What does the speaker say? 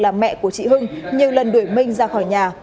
là mẹ của chị hưng nhiều lần đuổi minh ra khỏi nhà